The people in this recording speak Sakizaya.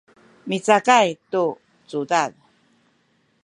micakay tu cudad